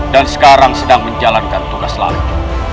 dan sekarang sedang menjalankan tugas lain